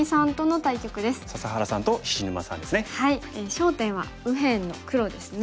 焦点は右辺の黒ですね。